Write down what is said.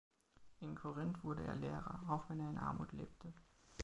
In Korinth wurde er Lehrer, auch wenn er in Armut lebte.